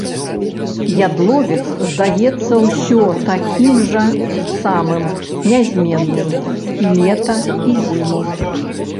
Ядловец здаецца ўсё гэтакім жа самым, нязменным і лета, і зіму.